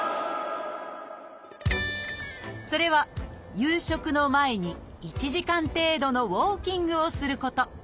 それは夕食の前に１時間程度のウォーキングをすること。